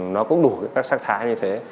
nó cũng đủ các sắc thái như thế